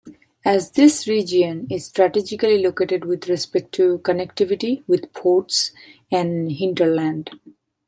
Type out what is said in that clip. As this region is strategically located with respect to connectivity with ports and hinterland.